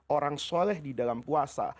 orang soleh di dalam puasa